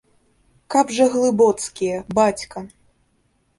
Каб жа глыбоцкія, бацька!